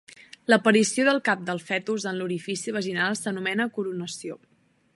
L'aparició del cap del fetus en l'orifici vaginal s'anomena "coronació".